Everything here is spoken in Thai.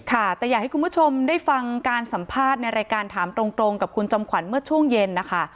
ค่ะแต่อยากให้คุณผู้ชมได้ฟังการสัมภาษณ์ในรายการถามตรงกับคุณจอมขวัญเมื่อช่วงเย็นนะคะ